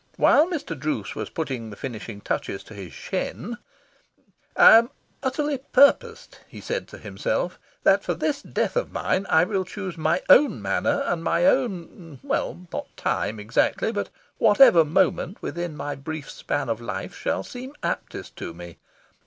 While Mr. Druce put the finishing touches to his shin, "I am utterly purposed," he said to himself, "that for this death of mine I will choose my own manner and my own well, not 'time' exactly, but whatever moment within my brief span of life shall seem aptest to me.